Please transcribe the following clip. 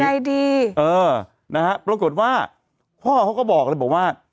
ไงดีเออนะฮะปรากฏว่าพ่อเขาก็บอกเลยบอกว่า